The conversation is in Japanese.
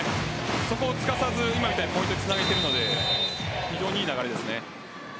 そこですかさず、今みたいにポイントをつなげているので非常に良い流れです。